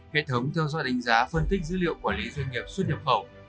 hệ thống theo dõi đánh giá phân tích dữ liệu quản lý doanh nghiệp xuất nhập khẩu